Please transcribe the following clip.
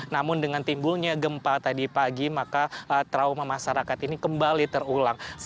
namun dengan timbulnya gempa tadi pagi maka trauma masyarakat ini kembali terulang